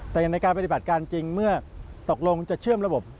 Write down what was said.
แต่อย่างในการปฏิบัติการจริงเมื่อตกลงจะเชื่อมระบบ